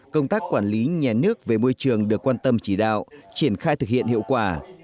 công tác quản lý nhà nước về môi trường được quan tâm chỉ đạo triển khai thực hiện hiệu quả